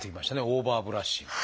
オーバーブラッシング。